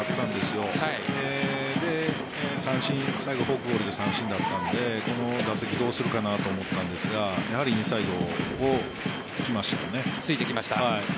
それで最後フォークボールで三振だったのでこの打席どうするかなと思ったんですがやはりインサイドに行きましたよね。